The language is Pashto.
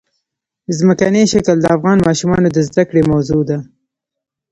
ځمکنی شکل د افغان ماشومانو د زده کړې موضوع ده.